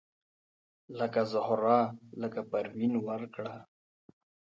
لکه زهره لکه پروین ورکړه